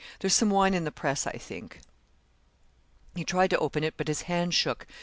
There's some wine in the press, I think.' He tried to open it, but his hand shook.